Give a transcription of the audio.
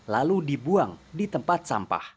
lalu dibuang di tempat sampah